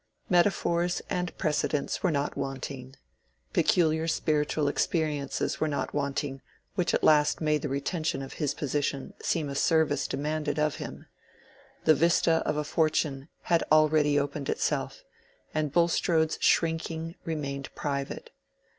Metaphors and precedents were not wanting; peculiar spiritual experiences were not wanting which at last made the retention of his position seem a service demanded of him: the vista of a fortune had already opened itself, and Bulstrode's shrinking remained private.